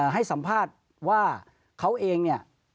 ให้สัมภาษณ์ว่าเขาเองเนี่ย